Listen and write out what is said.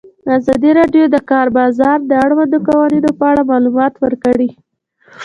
ازادي راډیو د د کار بازار د اړونده قوانینو په اړه معلومات ورکړي.